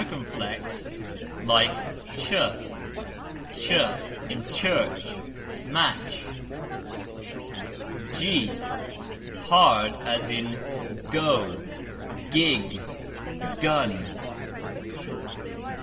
cx like CH, TCH, in CHurCH, maTCH. g hard, as in Go, GiG, Gun.